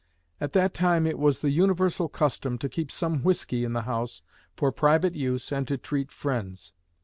At that time it was the universal custom to keep some whiskey in the house for private use and to treat friends.